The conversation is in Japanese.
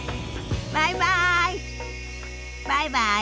バイバイ。